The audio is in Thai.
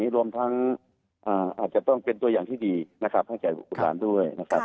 รวมทั้งจะต้องเป็นตัวอย่างที่ดีให้แก่ลูกหลานด้วย